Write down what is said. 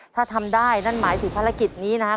ถ้าทำได้นั่นหมายถึงภารกิจนี้นะครับ